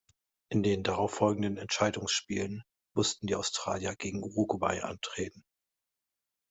In den darauf folgenden Entscheidungsspielen mussten die Australier gegen Uruguay antreten.